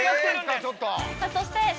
そして。